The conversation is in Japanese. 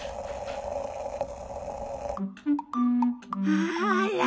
あら！